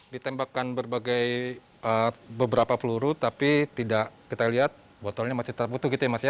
ditembakkan berbagai beberapa peluru tapi tidak kita lihat botolnya masih terputuh gitu ya mas ya